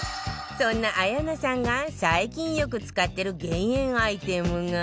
そんな綾菜さんが最近よく使ってる減塩アイテムが